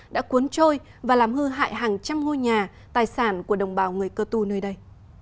đã cuốn trôi và làm hư hại hàng trăm ngôi nhà tài sản của đồng bào người cơ tu nơi đây